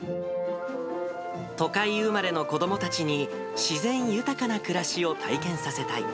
都会生まれの子どもたちに、自然豊かな暮らしを体験させたい。